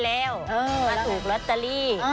อันดับสุดท้าย